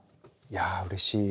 いやうれしい。